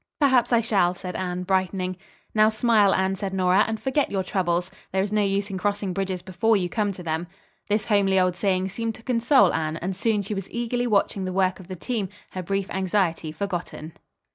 "Perhaps I shall," said Anne brightening. "Now smile Anne," said Nora, "and forget your troubles. There is no use in crossing bridges before you come to them." This homely old saying seemed to console Anne, and soon she was eagerly watching the work of the team, her brief anxiety forgotten.